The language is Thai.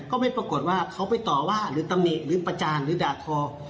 ก็ไม่ปรากฏว่าเขาไปต่อว่าหรือตำหนิหรือประจานหรือด่าทอ